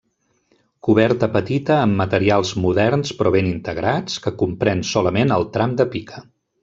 Coberta petita amb materials moderns, però ben integrats, que comprèn solament el tram de pica.